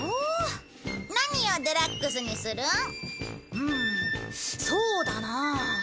うんそうだなあ。